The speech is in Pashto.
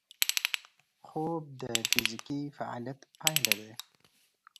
خوب د فزیکي فعالیت پایله ده